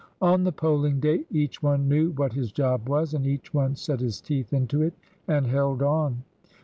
On the polling day each one knew what his job was, and each one set his teeth into it and held on.